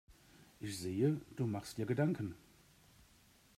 Ich sehe, du machst dir Gedanken.